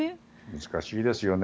難しいですよね。